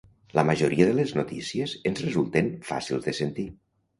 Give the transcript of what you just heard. La majoria de les notícies ens resulten fàcils de sentir.